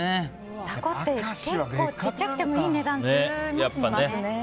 タコって、結構小さくてもいい値段しますもんね。